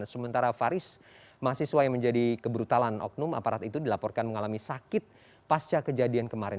sementara faris mahasiswa yang menjadi kebrutalan oknum aparat itu dilaporkan mengalami sakit pasca kejadian kemarin